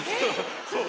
そう！